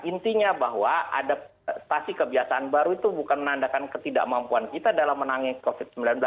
intinya bahwa adaptasi kebiasaan baru itu bukan menandakan ketidakmampuan kita dalam menangis covid sembilan belas